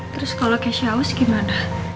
terus kalau keceaus gimana